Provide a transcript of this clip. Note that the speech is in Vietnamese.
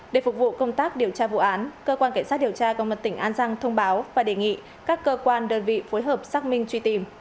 để phục vụ công tác điều tra vụ án cơ quan cảnh sát điều tra công an tỉnh an giang thông báo và đề nghị các cơ quan đơn vị phối hợp xác minh truy tìm